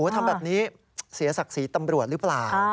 ทำแบบนี้เสียศักดิ์ศรีตำรวจหรือเปล่า